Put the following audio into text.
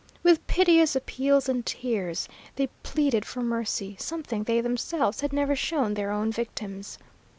With piteous appeals and tears they pleaded for mercy, something they themselves had never shown their own victims.